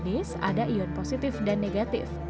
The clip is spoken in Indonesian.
jadi dua jenis ada ion positif dan negatif